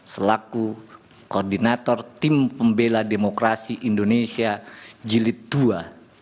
selaku koordinator tim pembela demokrasi indonesia jilid ii